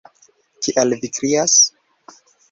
Kial vi krias?